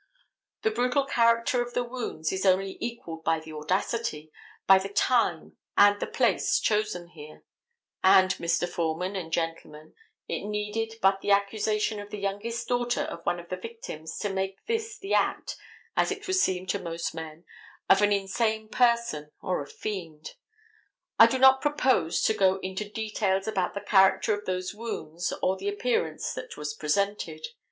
The brutal character of the wounds is only equalled by the audacity, by the time and the place chosen here: and, Mr. Foreman and gentlemen, it needed but the accusation of the youngest daughter of one of the victims to make this the act, as it would seem to most men, of an insane person or a fiend. I do not propose to go into details about the character of those wounds or the appearance that was presented.